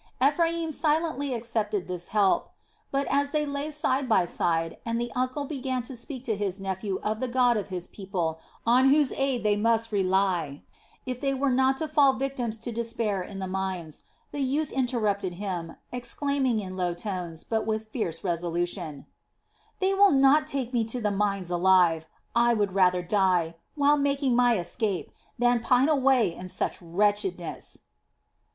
Ephraim silently accepted this help; but as they lay side by side, and the uncle began to speak to his nephew of the God of his people on whose aid they must rely, if they were not to fall victims to despair in the mines, the youth interrupted him, exclaiming in low tones, but with fierce resolution: "They will not take me to the mines alive! I would rather die, while making my escape, than pine away in such wretchedness."